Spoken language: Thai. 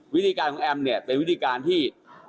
วิธีการของแอมเนี่ยเป็นวิธีการที่